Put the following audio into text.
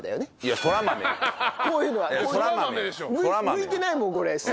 向いてないもんこれ下。